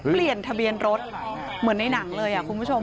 เปลี่ยนทะเบียนรถเหมือนในหนังเลยคุณผู้ชม